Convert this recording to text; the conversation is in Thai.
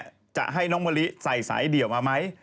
วันหลังจะให้น้องบะลิใส่สายเดี่ยวมาไหม